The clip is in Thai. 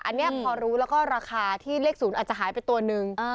อันนี้พอรู้แล้วก็ราคาที่เลข๐อาจจะหายไปตัวหนึ่ง